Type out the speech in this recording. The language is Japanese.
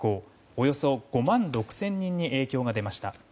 およそ５万６０００人に影響が出ました。